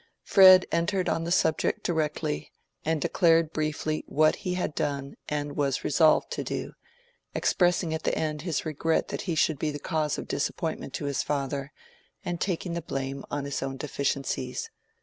Fred entered on the subject directly, and declared briefly what he had done and was resolved to do, expressing at the end his regret that he should be the cause of disappointment to his father, and taking the blame on his own deficiencies.